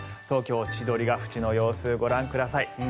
東京・千鳥ヶ淵の様子をご覧ください。